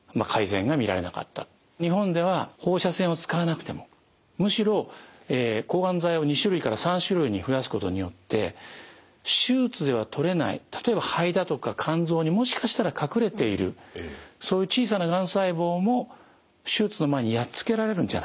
日本では放射線を使わなくてもむしろ抗がん剤を２種類から３種類に増やすことによって手術では取れない例えば肺だとか肝臓にもしかしたら隠れているそういう小さながん細胞も手術の前にやっつけられるんじゃないか。